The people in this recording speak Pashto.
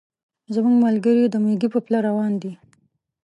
زموږ ملګري د مېږي په پله روان دي.